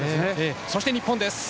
そして日本です。